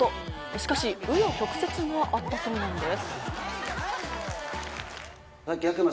しかし紆余曲折があったそうなんです。